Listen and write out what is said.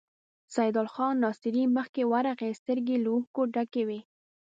سيدال خان ناصري مخکې ورغی، سترګې يې له اوښکو ډکې وې.